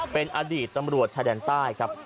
เป็นอดีตตำรวจชายแดนใต้ครับ